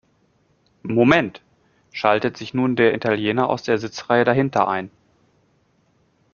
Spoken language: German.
Moment!, schaltet sich nun der Italiener aus der Sitzreihe dahinter ein.